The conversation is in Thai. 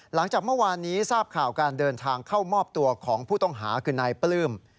หลังจากเมื่อวานนี้ทราบข่าวการเดินทางเข้ามอบตัวของผู้ต้องหาคือนายปลื้ม